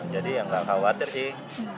jadi nggak khawatir sih